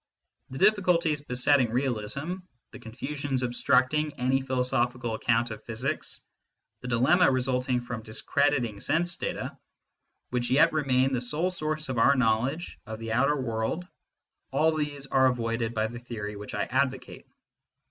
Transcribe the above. The difficulties besetting realism, the con fusions obstructing any philosophical account of physics, the dilemma resulting from discrediting sense data, which yet remain the sole source of our knowledge of the outer world all these are avoided by the theory which I advocate.